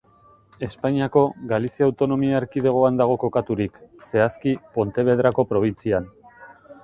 Espainiako, Galizia autonomia erkidegoan dago kokaturik, zehazki, Pontevedrako probintzian.